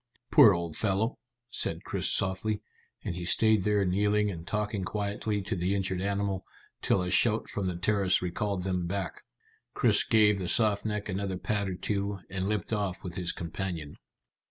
"Poor old fellow," said Chris softly, and he stayed there kneeling and talking quietly to the injured animal, till a shout from the terrace recalled them back. Chris gave the soft neck another pat or two, and limped off with his companion.